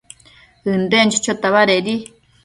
ënden chochota badedi